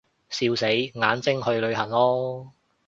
笑死，眼睛去旅行囉